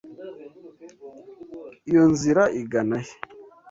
Iyo nzira igana he?